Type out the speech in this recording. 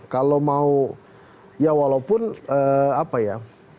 kalau mau ya walaupun apa ya